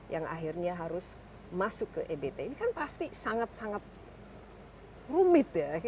yang akhirnya harus masuk ke ebt ini kan pasti sangat sangat rumit ya